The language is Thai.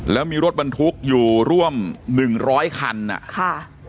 แล้วมีรถบรรทุกอยู่ร่วมหนึ่งร้อยคันอ่ะค่ะ